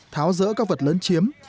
tháo rỡ các vật lấn chiếm